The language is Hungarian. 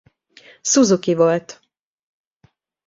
Suzuki volt.